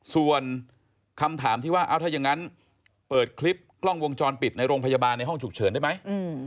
ส่วนคำถามที่ว่าเอาถ้ายังงั้นเปิดคลิปกล้องวงจรปิดในโรงพยาบาลในห้องฉุกเฉินได้ไหม